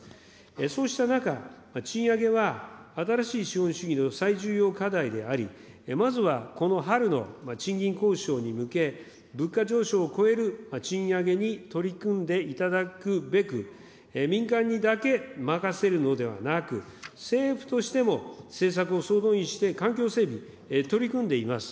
そうした中、賃上げは新しい資本主義の最重要課題であり、まずはこの春の賃金交渉に向け、物価上昇を超える賃上げに取り組んでいただくべく、民間にだけ任せるのではなく、政府としても政策を総動員して環境整備、取り組んでいます。